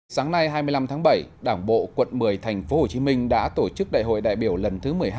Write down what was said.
sáng nay hai mươi năm tháng bảy đảng bộ quận một mươi tp hcm đã tổ chức đại hội đại biểu lần thứ một mươi hai